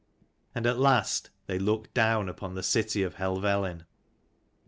And at last they looked down upon the city of Helvellyn.